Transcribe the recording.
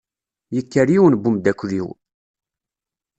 Yekker yiwen n umdakel-iw.